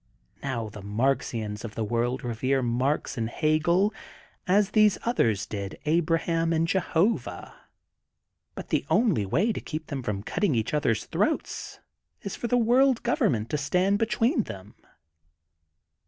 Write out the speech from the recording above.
Now the Marxians of the world revere Marx and Hegel as these others did Abraham and Jehovah, but the only way to keep them from cutting each other's throats is for the World Government to statid be tween them."